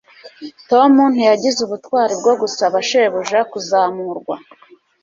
Tom ntiyagize ubutwari bwo gusaba shebuja kuzamurwa